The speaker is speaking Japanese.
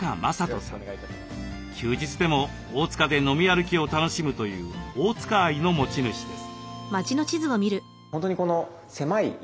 休日でも大塚で飲み歩きを楽しむという大塚愛の持ち主です。